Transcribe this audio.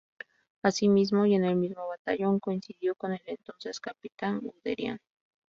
Así mismo, y en el mismo Batallón, coincidió con el entonces Capitán Guderian.